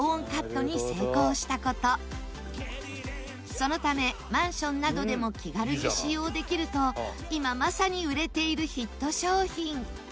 そのためマンションなどでも気軽に使用できると今まさに売れているヒット商品。